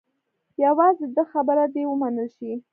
یوازې د ده خبره دې ومنل شي.